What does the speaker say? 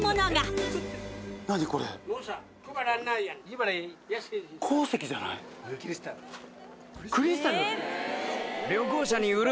これクリスタル！